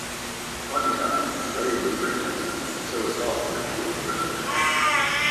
Toddy tapping is very labour-intensive and so is not an appealing profession.